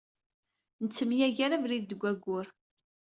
Nettemyager abrid seg waggur